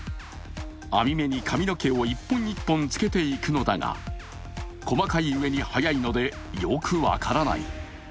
網目に髪の毛を１本１本つけていくのだが細かい上に速いので、よく分からない。